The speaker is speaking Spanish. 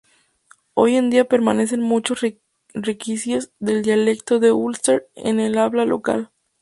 Hoy en día permanecen muchos resquicios del dialecto del Ulster en el habla local.